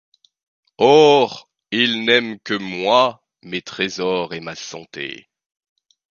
Ores, ie n’aime que moy, mes threzors et ma santé...